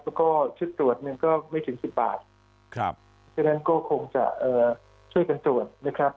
แล้วก็ชุดตรวจหนึ่งก็ไม่ถึง๑๐บาทฉะนั้นก็คงจะช่วยกันตรวจนะครับ